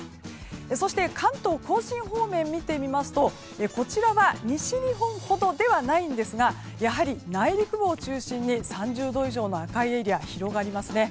そして、関東・甲信方面を見てみますとこちらは、西日本ほどではないんですがやはり内陸部を中心に３０度以上の赤いエリアが広がりますね。